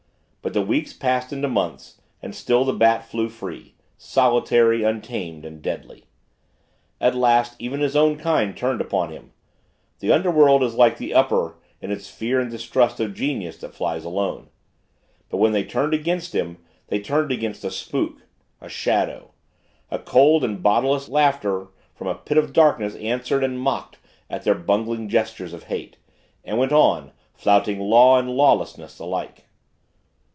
But the weeks passed into months and still the Bat flew free, solitary, untamed, and deadly. At last even his own kind turned upon him; the underworld is like the upper in its fear and distrust of genius that flies alone. But when they turned against him, they turned against a spook a shadow. A cold and bodiless laughter from a pit of darkness answered and mocked at their bungling gestures of hate and went on, flouting Law and Lawless alike.